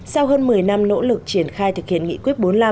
sau hơn một mươi năm nỗ lực triển khai thực hiện nghị quyết bốn mươi năm